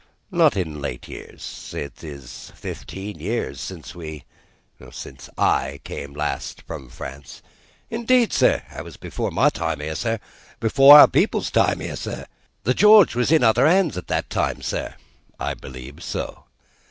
"Not of late years. It is fifteen years since we since I came last from France." "Indeed, sir? That was before my time here, sir. Before our people's time here, sir. The George was in other hands at that time, sir." "I believe so."